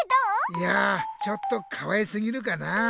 いやちょっとかわいすぎるかな。